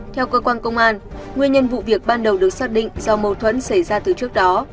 theo cơ quan công an nguyên nhân vụ việc ban đầu được xác định do mâu thuẫn xảy ra từ trước đó